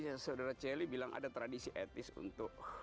ya saudara celi bilang ada tradisi etis untuk